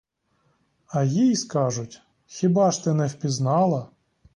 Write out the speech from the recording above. А їй скажуть: хіба ж ти не впізнала?